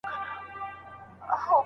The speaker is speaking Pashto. نژادي دلایل سم نه دي.